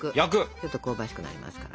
ちょっと香ばしくなりますから。